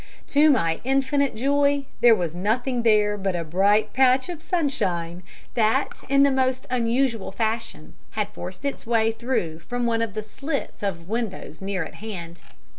To my infinite joy there was nothing there but a bright patch of sunshine, that, in the most unusual fashion, had forced its way through from one of the slits of windows near at hand.